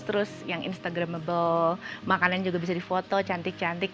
terus yang instagramable makanan juga bisa difoto cantik cantik